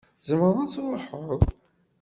Tzemreḍ ad truḥeḍ.